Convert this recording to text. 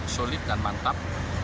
solid dan mantap